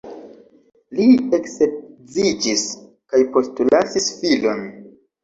Li eksedziĝis kaj postlasis filon.